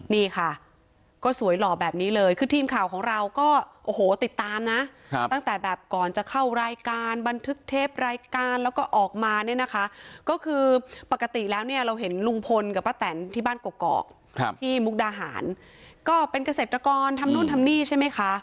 นี่ค่ะก็สวยหล่อแบบนี้เลยคือทีมข่าวของเราก็โอ้โหติดตามนะตั้งแต่แบบก่อนจะเข้ารายการบันทึกเทปรายการแล้วก็ออกมาเนี่ยนะคะก็คือปกติแล้วเนี่ยเราเห็นลุงพลกับป้าแตนที่บ้านกอกที่มุกดาหารก็เป็นเกษตรกรทำนู่นทำนี่ใช่ไหมคะ